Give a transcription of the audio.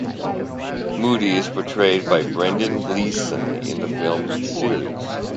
Moody is portrayed by Brendan Gleeson in the film series.